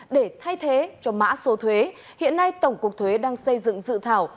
để thay thế cho mã số thuế hiện nay tổng cục thuế đang xây dựng dự thảo